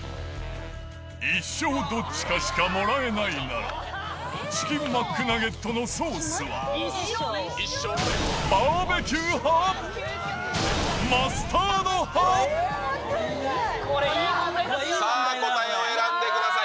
一生どっちかしかもらえないなら、チキンマックナゲットのソースは、バーベキュー派？さあ、答えを選んでください。